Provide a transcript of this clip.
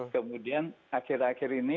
kemudian akhir akhir ini